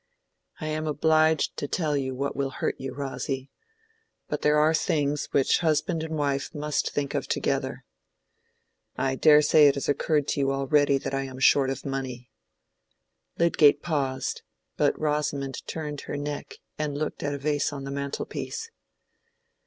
"I am obliged to tell you what will hurt you, Rosy. But there are things which husband and wife must think of together. I dare say it has occurred to you already that I am short of money." Lydgate paused; but Rosamond turned her neck and looked at a vase on the mantel piece.